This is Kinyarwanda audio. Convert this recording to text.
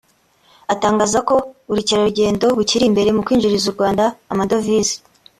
atangaza ko ubukerarugendo bukiri imbere mu kwinjiriza u Rwanda amadovize